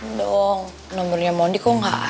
ndung nomernya mondi kok gak aktif ya